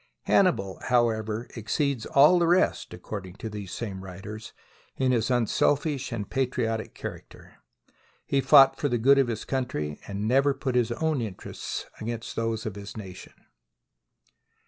Hannibal, however, exceeds all the rest (according to these same writers) in his un selfish and patriotic character. He fought for the good of his country, and never put his own interests against those of his nation.